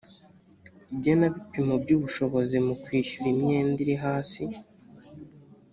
igenabipimo by’ ubushobozi mu kwishyura imyenda iri hasi